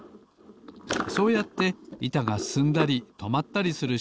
そうやっていたがすすんだりとまったりする